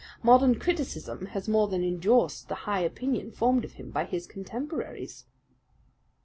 Modern criticism has more than indorsed the high opinion formed of him by his contemporaries."